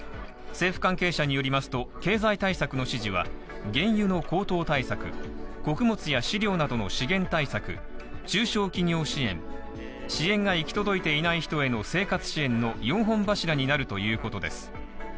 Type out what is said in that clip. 政府関係者によりますと、経済対策の指示は原油の高騰対策、穀物や飼料などの資源対策、中小企業支援、支援が行き届いていない人への生活支援の４本柱になるということです。